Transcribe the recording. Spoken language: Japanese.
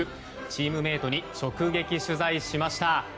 チームメートに直撃取材しました。